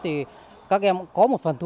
thì các em cũng có một phần thu